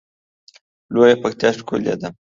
لویه پکتیا ښکلی ده